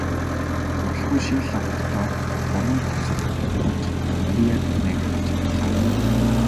Удалгүй шинэ лабораторид гурван туслахтай болж Мария тэднийг ахалж байлаа.